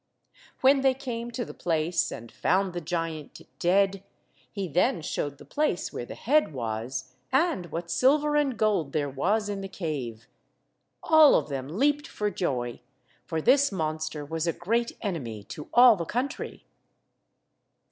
When they came to the place and found the giant dead, he then showed the place where the head was, and what silver and gold there was in the cave. All of them leaped for joy, for this monster was a great enemy to all the country.